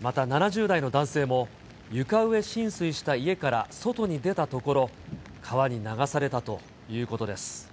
また、７０代の男性も床上浸水した家から外に出たところ、川に流されたということです。